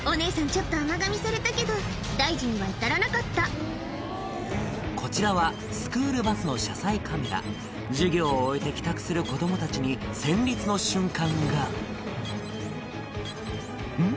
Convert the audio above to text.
ちょっと甘がみされたけど大事には至らなかったこちらはスクールバスの車載カメラ授業を終えて帰宅する子供たちに戦慄の瞬間がん？